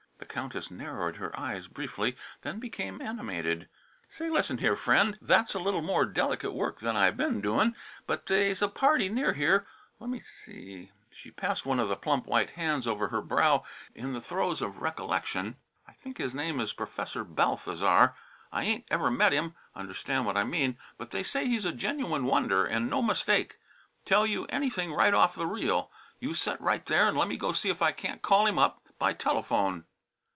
The Countess narrowed her eyes briefly, then became animated. "Say, listen here, friend! That's a little more delikit work than I been doin', but they's a party near here lemme see " She passed one of the plump white hands over her brow in the throes of recollection. "I think his name is Professor Balthasar. I ain't ever met him, understand what I mean? but they say he's a genuine wonder an' no mistake; tell you anything right off the reel. You set right there and lemme go see if I can't call him up by telephone."